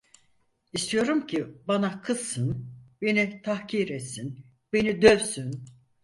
İstiyorum ki, bana kızsın, beni tahkir etsin, beni dövsün.